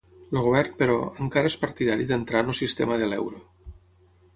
El govern, però, encara és partidari d'entrar en el sistema de l'euro.